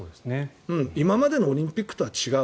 今までのオリンピックとは違う。